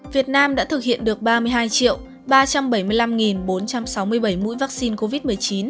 việt nam đã thực hiện được ba mươi hai ba trăm bảy mươi năm bốn trăm sáu mươi bảy mũi vaccine covid một mươi chín